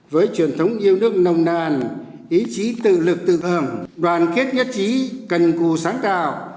với truyền thống yêu nước nồng nàn ý chí tự lực tự thưởng đoàn kết nhất trí cần cù sáng tạo